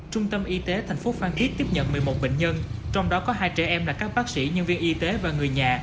trung tâm y tế tp phan thiết tiếp nhận một mươi một bệnh nhân trong đó có hai trẻ em là các bác sĩ nhân viên y tế và người nhà